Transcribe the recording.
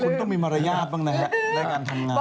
คุณต้องมีมารยาบบ้างนะครับรายการทำงาน